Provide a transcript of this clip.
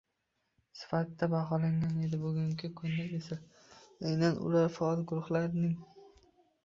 sifatida baholangan edi - bugungi kunda esa aynan ular faol guruhlarning